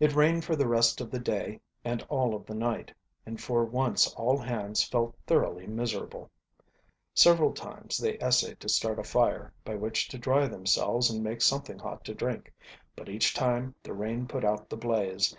It rained for the rest of the day and all of the night, and for once all hands felt thoroughly, miserable. Several times they essayed to start a fire, by which to dry themselves and make something hot to drink, but each time the rain put out the blaze.